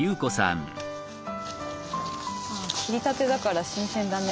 あ切りたてだから新鮮だね。